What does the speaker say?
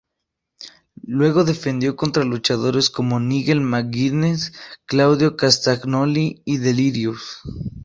Luego defendió contra luchadores como Nigel McGuinness, Claudio Castagnoli, y Delirious.